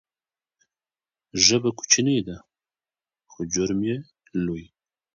ژبه کوچنۍ ده خو جرم یې لوی.